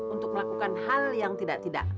untuk melakukan hal yang tidak tidak